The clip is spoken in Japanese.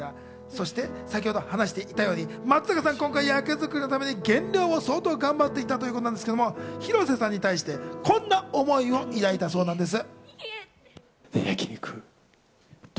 そして先程話していたように松坂さんは今回、役作りのために減量を相当頑張っていたということなんですが、広瀬さんに対してこんな思いを抱いていたようなんです。